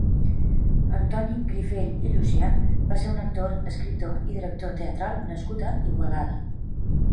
Antoni Grifell i Llucià va ser un actor, escriptor i director teatral nascut a Igualada.